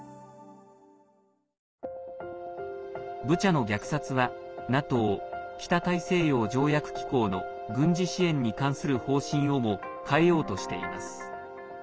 ブチャの虐殺はＮＡＴＯ＝北大西洋条約機構の軍事支援に関する方針をも変えようとしています。